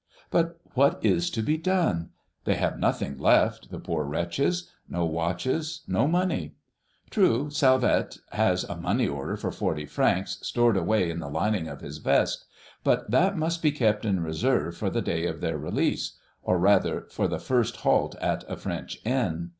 But what is to be done? They have nothing left, the poor wretches, no watches, no money. True, Salvette has a money order for forty francs stored away in the lining of his vest. But that must be kept in reserve for the day of their release, or rather for the first halt at a French inn.